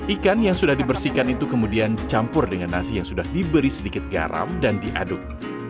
ikan yang sudah dibersihkan itu kemudian dicampur dengan nasi yang sudah diberi sedikit garam dan diaduk